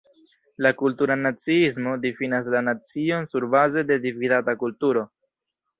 La "kultura naciismo" difinas la nacion surbaze de dividata kulturo.